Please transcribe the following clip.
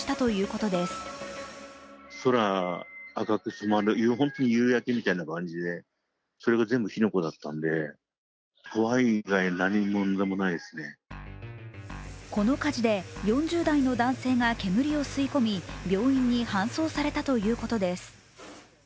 この火事で４０代の男性が煙を吸い込み病院に搬送されたということです。